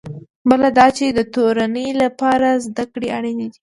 بله دا چې د تورنۍ لپاره زده کړې اړینې دي.